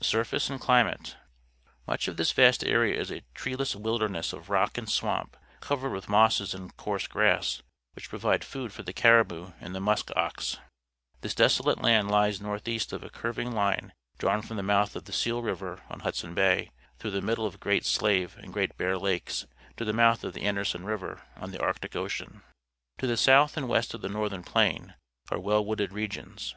6urface and Climate. — Much of this vast area is a treeless wilderness of rock and swamp, covered with mosses and coarse grass, which provide food for the caribou and the musk ox. This desolate NEWFOUNDLAND 123 land lies north east of a curving line drawn from the mouth of the Seal River on Hudson Bay tlirough the middle of Great Slave and Great Bear Lakes to the mouth of the Anderson River on the Arctic Ocean. To the south and west of the Northern Plain are well wooded regions.